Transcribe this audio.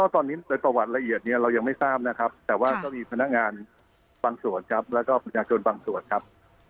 ตอนนี้ในประวัติละเอียดเนี่ยเรายังไม่ทราบนะครับแต่ว่าก็มีพนักงานบางส่วนครับแล้วก็ประชาชนบางส่วนครับ